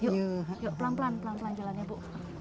yuk pelan pelan pelan pelan jalannya bu